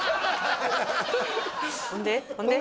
ほんで？